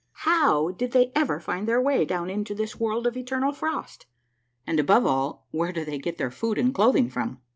How did the}^ ever find their way down into this World of Eternal Frost? And, above all, where do they get their food and clothing from